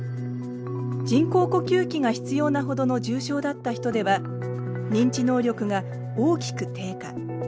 人工呼吸器が必要なほどの重症だった人では認知能力が大きく低下。